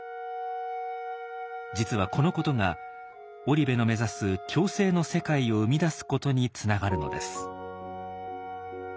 実はこのことが織部の目指す共生の世界を生み出すことにつながるのです。